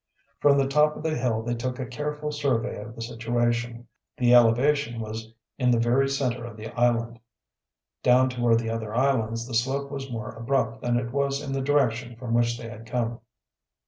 From the top of the hill they took a careful survey of the situation. The elevation was in the very center of the island. Down toward the other islands the slope was more abrupt than it was in the direction from which they had come.